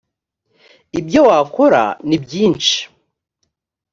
ibyo wakora ni byinshi